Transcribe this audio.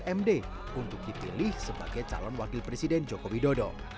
yang dipilih sebagai calon pendaping md untuk dipilih sebagai calon wakil presiden jokowi dodo